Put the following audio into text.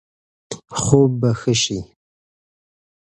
خوب به ښه شي.